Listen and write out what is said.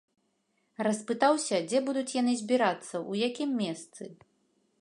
Распытаўся, дзе будуць яны збірацца, у якім месцы.